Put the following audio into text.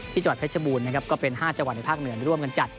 จังหวัดเพชรบูรณ์นะครับก็เป็น๕จังหวัดในภาคเหนือร่วมกันจัด